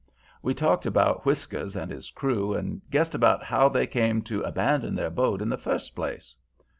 We talked about Whiskers and his crew and guessed about how they came to abandon their boat in the first place.